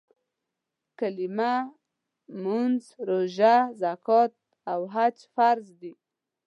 کلیمه، مونځ، روژه، زکات او حج فرض دي.